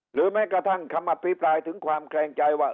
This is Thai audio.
แม้กระทั่งคำอภิปรายถึงความแคลงใจว่า